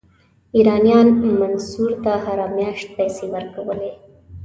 ایرانیانو منصور ته هره میاشت پیسې ورکولې.